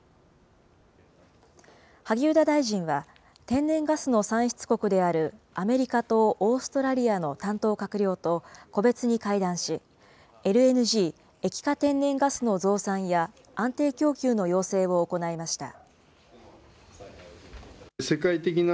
萩生田大臣は、天然ガスの産出国であるアメリカとオーストラリアの担当閣僚と個別に会談し、ＬＮＧ・液化天然ガスの増産や安定供給の要請を行いました。